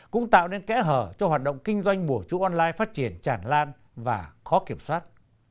cũng tạo nên kẽ hở cho hoạt động kinh doanh bùa chú online phát triển tràn lan và khó kiểm soát